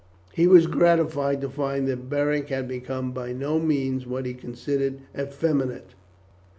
He was gratified to find that Beric had become by no means what he considered effeminate.